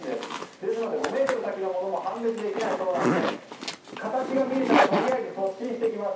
ですので５ｍの先のものも判別できないそうなので形が見えたらとりあえず突進してきます。